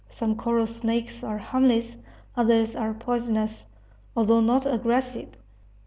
Some coral snakes are harmless; others are poisonous, although not aggressive.